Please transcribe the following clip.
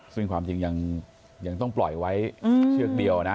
ซึ่งความจริงยังต้องปล่อยไว้เชือกเดียวนะ